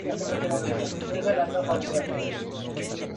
La imagen de la portada está extraída de una pintura de Chuck Loyola.